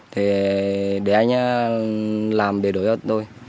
thì để anh làm bề đối với tôi